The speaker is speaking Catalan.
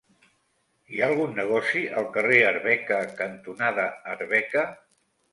Hi ha algun negoci al carrer Arbeca cantonada Arbeca?